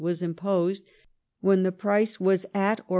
was imposed when the price was at 1 Cf.